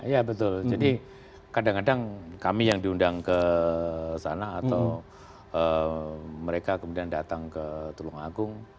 ya betul jadi kadang kadang kami yang diundang ke sana atau mereka kemudian datang ke tulung agung